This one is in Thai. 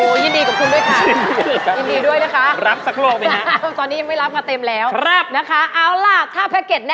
โอ๊ยยินดีกับคุณด้วยค่ะ